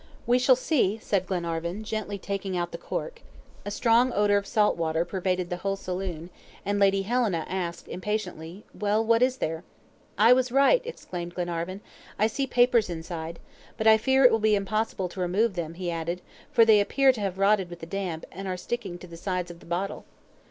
"We shall see," said Glenarvan, gently taking out the cork. A strong odor of salt water pervaded the whole saloon, and Lady Helena asked impatiently: "Well, what is there?" "I was right!" exclaimed Glenarvan. "I see papers inside. But I fear it will be impossible to remove them," he added, "for they appear to have rotted with the damp, and are sticking to the sides of the bottle."